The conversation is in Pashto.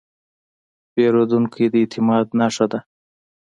پیرودونکی د اعتماد نښه ده.